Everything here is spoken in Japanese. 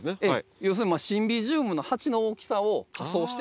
要するにシンビジウムの鉢の大きさを仮想してます。